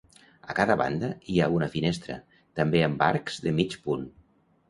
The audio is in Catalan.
A cada banda hi ha una finestra, també amb arcs de mig punt.